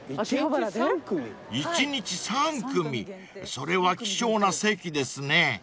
それは貴重な席ですね］